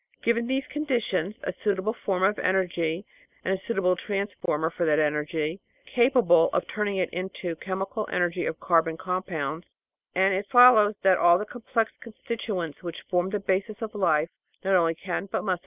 Given these conditions, a suitable form of energy and a suitable transformer for that energy, capable of turning it into chemical energy of carbon compounds, and it follows that all the complex constituents which form the basis of life not only can, but must arise.